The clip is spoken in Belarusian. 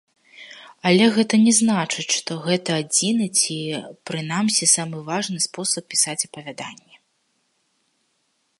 Але гэта не значыць, што гэта адзіны, ці прынамсі самы важны спосаб пісаць апавяданні.